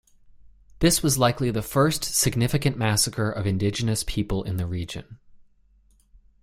This was likely the first significant massacre of indigenous people in the region.